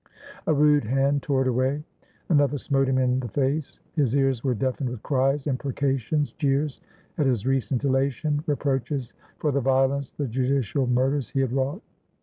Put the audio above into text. A rude hand tore it away, another smote him in the face. His ears were deafened with cries, imprecations, jeers at his recent elation, reproaches for the violence, the judi cial murders, he had wrought.